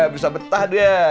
bisa betah dia